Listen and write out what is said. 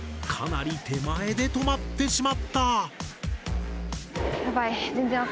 かなり手前で止まってしまった。